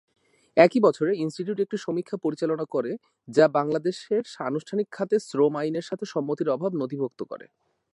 একই বছরে, ইনস্টিটিউট একটি সমীক্ষা পরিচালনা করে যা বাংলাদেশের অনানুষ্ঠানিক খাতে শ্রম আইনের সাথে সম্মতির অভাবের নথিভুক্ত করে।